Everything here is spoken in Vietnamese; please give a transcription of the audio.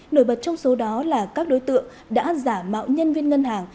nổi bật trong số đó là các đối tượng đã giả mạo nhân viên ngân hàng